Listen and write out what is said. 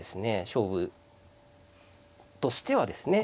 勝負としてはですね